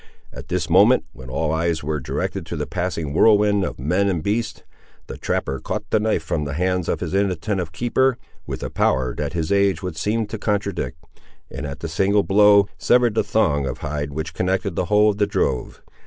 At this moment, when all eyes were directed to the passing whirlwind of men and beasts, the trapper caught the knife from the hands of his inattentive keeper, with a power that his age would have seemed to contradict, and, at a single blow, severed the thong of hide which connected the whole of the drove.